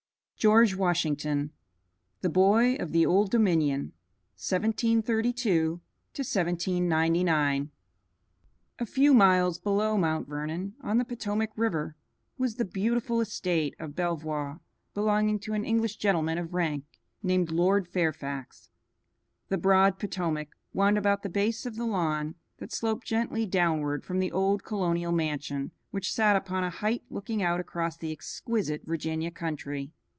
VI George Washington The Boy of the Old Dominion: 1732 1799 A few miles below Mount Vernon, on the Potomac River, was the beautiful estate of Belvoir, belonging to an English gentleman of rank named Lord Fairfax. The broad Potomac wound about the base of the lawn that sloped gently downward from the old colonial mansion which sat upon a height looking out across the exquisite Virginia country.